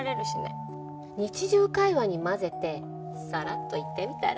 日常会話に交ぜてサラッと言ってみたら？